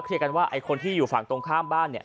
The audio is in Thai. เคลียร์กันว่าบ้านที่อยู่ฝั่งตรงข้าม